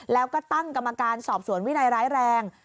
แล้วก็ตั้งกรรมการสอบสวนวินัยร้ายแรง